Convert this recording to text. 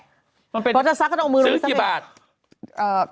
มันเป็นซื้อกี่บาทเพราะถ้าซักก็ต้องเอามือลงไปซักเมื่อ